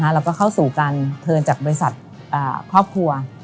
แล้วก็เข้าสู่การเทินจากบริษัทครอบครัว